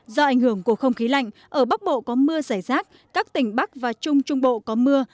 do ảnh hưởng của không khí lạnh ở bắc bộ có mưa rải rác các tỉnh bắc và trung trung bộ có mưa